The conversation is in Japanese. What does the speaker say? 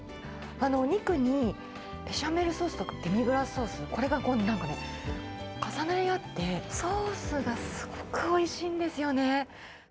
お肉にベシャメルソースとか、デミグラスソース、これがなんか重なり合って、ソースがすごくおいしいんですよね。